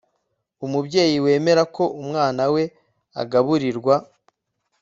Umubyeyi wemera ko umwana we agaburirwa